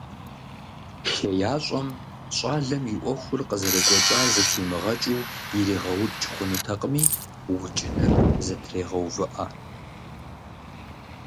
ХеящӀэм щӀалэм и Ӏуэхур къызэрекӀуэкӀар зэхимыгъэкӀыу иригъэукӀ хъунутэкъыми, укӀыныр зэтрегъэувыӀэ.